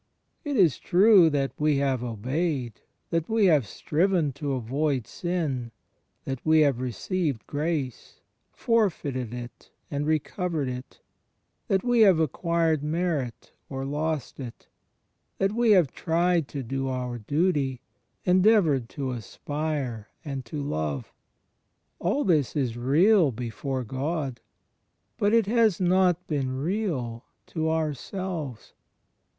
It is true that we have obeyed, that we have striven to avoid sin, that we have received grace, forfeited it and recovered it, that we have acquired merit or lost it, that we have tried to do our duty, endeavoured to aspire and to love. All this is real, before God. But it has not been real to ourselves.